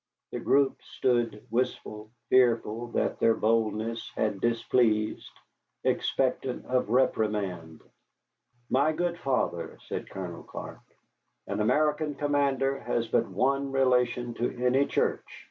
The group stood wistful, fearful that their boldness had displeased, expectant of reprimand. "My good Father," said Colonel Clark, "an American commander has but one relation to any church.